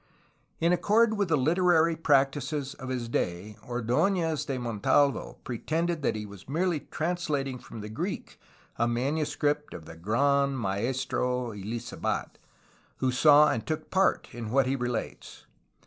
In accord with the literary practices of his day Ord6nez de Montalvo pretended that he was merely translating from the Greek a manuscript of the ''Gran Maestro Elisabat, who saw and took part in what he relates.'